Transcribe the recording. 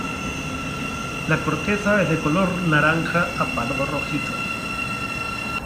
La corteza es de color naranja a pardo rojizo.